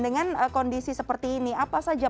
dengan kondisi seperti ini apa saja